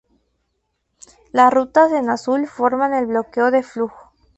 Las rutas en azul forman el bloqueo de flujo.